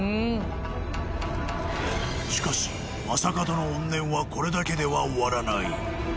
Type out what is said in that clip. しかし将門の怨念はこれだけでは終わらない